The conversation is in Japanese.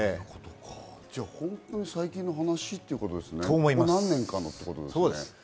本当に最近の話ってことですね、ここ何年かのということですね。